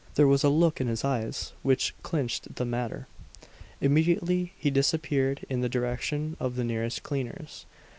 There was a look in his eyes which clinched the matter. Immediately he disappeared in the direction of the nearest cleaners.